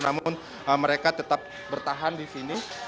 namun mereka tetap bertahan disini